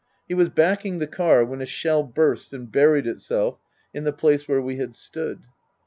He was backing the car when a shell burst and buried itself in the place where we had stood.